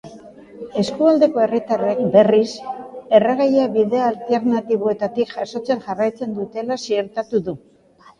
Eskualdeko herritarrek, berriz, erregaia bide alternatiboetatik jasotzen jarraitzen dutela ziurtatu du.